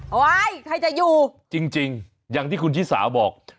เฮ้ยถ้าจะอยู่จริงจริงอย่างที่คุณชิสาบอก